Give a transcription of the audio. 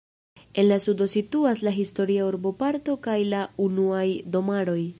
En la sudo situas la historia urboparto kaj la unuaj domaroj.